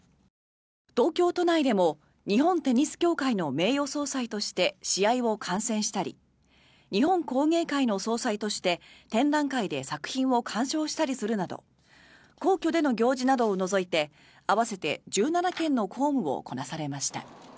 東京都内でも日本テニス協会の名誉総裁として試合を観戦したり日本工芸会の総裁として展覧会で作品を鑑賞したりするなど皇居での行事などを除いて合わせて１７件の公務をこなされました。